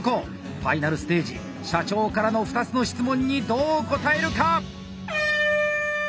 Ｆｉｎａｌステージ社長からの２つの質問にどう答えるか！